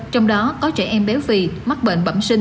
trong đó có trẻ em béo phì mắc bệnh bẩm sinh